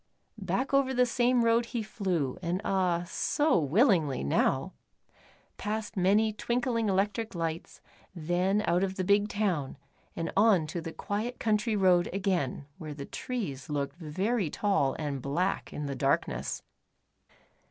Back over the same road he flew, and ah, so willingly now. Past many twinkling electric lights, then out of the big town, and on to the quiet country road again where the trees looked very tall and black in the darkness.